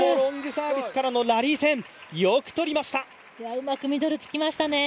うまくミドルつきましたね。